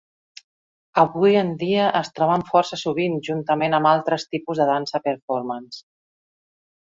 Avui en dia es troben força sovint juntament amb altres tipus de dansa performance.